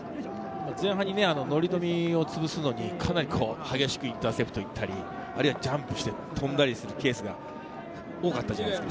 前半、乗冨をつぶすのにかなり激しくインターセプトに行ったり、ジャンプして跳んだりするケースが多かったじゃないですか。